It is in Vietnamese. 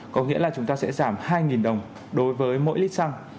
có nghĩa là chúng ta sẽ giảm hai đồng đối với mỗi lít xăng